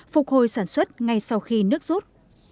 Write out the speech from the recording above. phục hồi sản xuất ngay sau khi nước rút